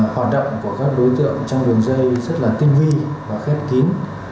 hoạt động của các đối tượng trong đường dây rất là tinh vi và khép kín